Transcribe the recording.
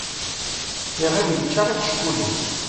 Iɣil yečča iḥeckulen.